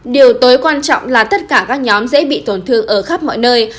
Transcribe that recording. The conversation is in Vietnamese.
điều tối quan trọng là tất cả các nhóm dễ bị tổn thương ở khắp mọi nơi